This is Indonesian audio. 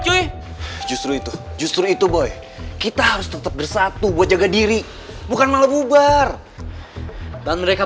cuy justru itu justru itu boleh kita harus tetap bersatu buat jaga diri bukan malah bubar dan mereka